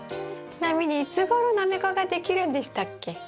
ちなみにいつごろナメコができるんでしたっけ？